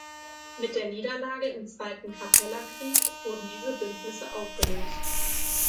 Mit der Niederlage im zweiten Kappelerkrieg wurden diese Bündnisse aufgelöst.